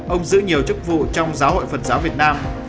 ông giữ nhiều chức vụ trong giáo hội phật giáo việt nam